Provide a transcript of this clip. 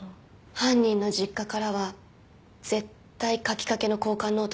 犯人の実家からは絶対書きかけの交換ノートが発掘されるの。